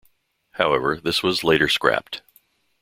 However, this was later scrapped.